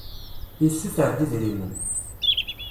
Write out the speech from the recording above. Yessuter-d idrimen.